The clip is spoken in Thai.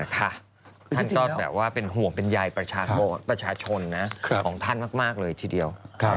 ท่านก็แบบว่าเป็นห่วงเป็นใยประชาชนของท่านมากเลยทีเดียว